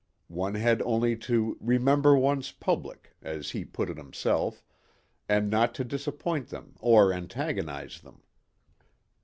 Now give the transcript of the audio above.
One had only to "remember one's public" as he put it himself, and not to disappoint them or antagonize them.